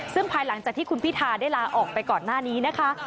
ซึ่งภายหลังจากที่คุณพิธาได้ลาออกไปก่อนหน้านี้นะคะ